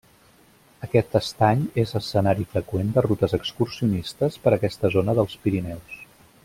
Aquest estany és escenari freqüent de rutes excursionistes per aquesta zona dels Pirineus.